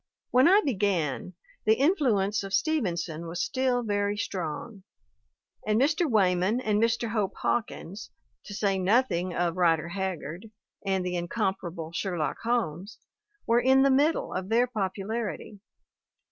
When I began, the in fluence of Stevenson was still very strong, and Mr. Weyman and Mr. Hope Hawkins, to say nothing of Rider Haggard and the incomparable Sherlock Holmes, were in the middle of their popularity.